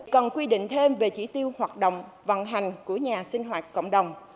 cần quy định thêm về chỉ tiêu hoạt động vận hành của nhà sinh hoạt cộng đồng